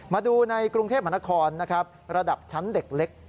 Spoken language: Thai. มาดูในกรุงเทพมหานครนะครับระดับชั้นเด็กเล็ก